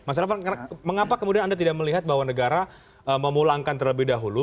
mas revo mengapa kemudian anda tidak melihat bahwa negara memulangkan terlebih dahulu